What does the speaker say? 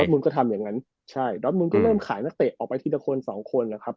ดอร์ทมูลก็ทำอย่างนั้นใช่ดอร์ทมูลก็เริ่มขายนักเตะออกไปทีละคน๒คนนะครับ